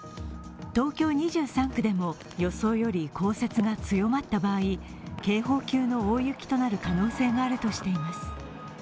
東京２３区でも予想より降雪が強まった場合、警報級の大雪となる可能性があるとしています。